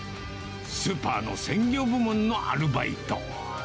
スーパーの鮮魚部門のアルバイト。